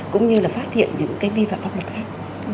cũng như là phát hiện những vi phạm bác mật khác